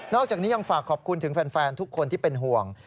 อกจากนี้ยังฝากขอบคุณถึงแฟนทุกคนที่เป็นห่วง